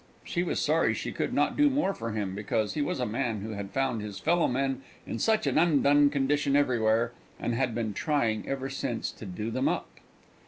She was sorry she could not do more for him, because he was a man who had found his fellow men in such an undone condition everywhere, and had been trying ever since to do them up.